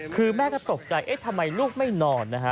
คือแม่ก็ตกใจเอ๊ะทำไมลูกไม่นอนนะฮะ